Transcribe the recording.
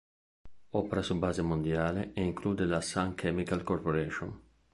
Opera su base mondiale e include la Sun Chemical corporation.